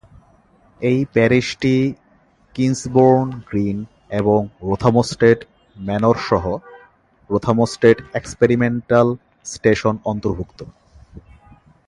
এই প্যারিশটি Kinsbourne Green এবং রোথামস্টেড ম্যানর সহ রোথামস্টেড এক্সপেরিমেন্টাল স্টেশন অন্তর্ভুক্ত।